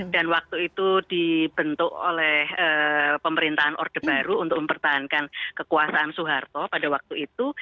dan waktu itu dibentuk oleh pemerintahan orde baru untuk mempertahankan kekuasaan soeharto pada waktu itu